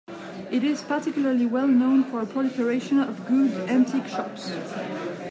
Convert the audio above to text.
It is particularly well known for a proliferation of good antique shops.